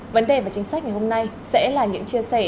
vấn đề và chính sách ngày hôm nay sẽ là những chia sẻ